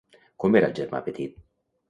Com era el germà petit?